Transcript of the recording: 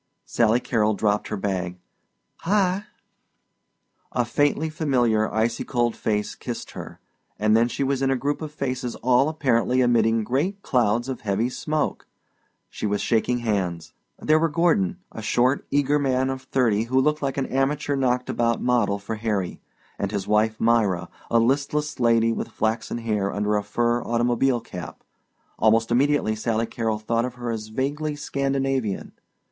Sally Carrol dropped her bag. "Hi!" A faintly familiar icy cold face kissed her, and then she was in a group of faces all apparently emitting great clouds of heavy smoke; she was shaking hands. There were Gordon, a short, eager man of thirty who looked like an amateur knocked about model for Harry, and his wife, Myra, a listless lady with flaxen hair under a fur automobile cap. Almost immediately Sally Carrol thought of her as vaguely Scandinavian.